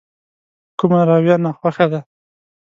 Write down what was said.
کومه رويه ناخوښه ده.